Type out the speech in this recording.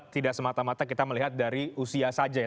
tidak semata mata kita melihat dari usia saja ya